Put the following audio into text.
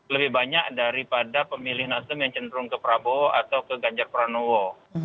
lebih banyak daripada pemilih nasdem yang cenderung ke prabowo atau ke ganjar pranowo